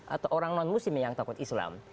atau orang non muslim yang takut islam